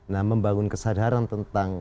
nah membangun kesadaran tentang